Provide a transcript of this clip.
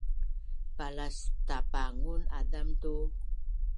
Palastapangun azam tu